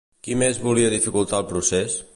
Qui més volia dificultar el procés?